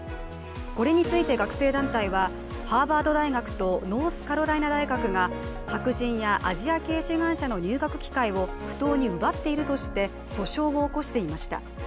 これについて学生団体はハーバード大学とノースカロライナ大学が白人やアジア系志願者の入学機会を不当に奪っているとして訴訟を起こしていました。